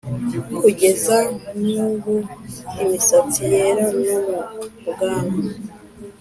Kugeza n ' ubu imisatsi yera no mu bwanwa